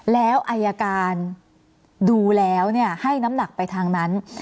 แล้วอายการดูแล้วให้น้ำหนักไปทางนั้น